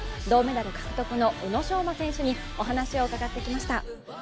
銅メダル獲得の宇野昌磨選手にお話を伺ってきました。